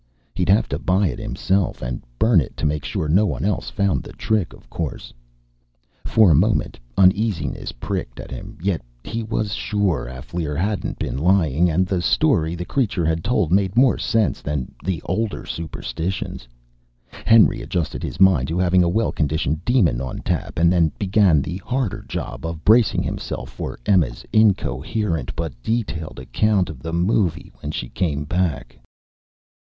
He'd have to buy it himself, and burn it to make sure no one else found the trick, of course. For a moment, uneasiness pricked at him. Yet he was sure Alféar hadn't been lying, and the story the creature had told made more sense than the older superstitions. Henry adjusted his mind to having a well conditioned demon on tap and then began the harder job of bracing himself for Emma's incoherent but detailed account of the movie when she came back.